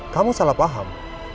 kamu salah paham